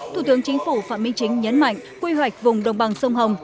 thủ tướng chính phủ phạm minh chính nhấn mạnh quy hoạch vùng đồng bằng sông hồng